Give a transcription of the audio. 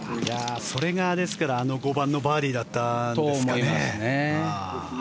それが、ですからあの５番のバーディーだったんですかね。と思いますね。